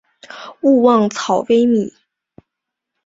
勿忘草微米。